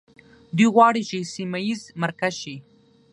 دوی غواړي چې سیمه ییز مرکز شي.